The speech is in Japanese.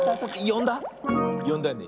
よんだよね？